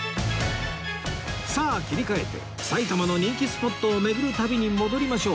さあ切り替えて埼玉の人気スポットを巡る旅に戻りましょう